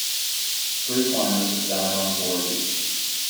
Three climbers have died on Borah Peak.